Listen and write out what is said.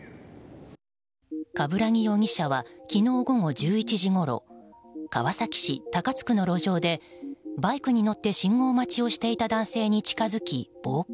鏑木容疑者は昨日午後１１時ごろ川崎市高津区の路上でバイクに乗って信号待ちをしていた男性に近づき、暴行。